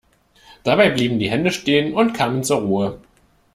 Dabei blieben die Hände stehen und kamen zur Ruhe.